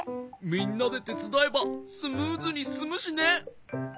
みんなでてつだえばスムーズにすすむしね。